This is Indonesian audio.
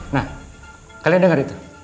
nah kalian denger itu